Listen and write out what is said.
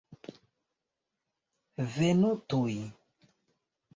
Venu tuj.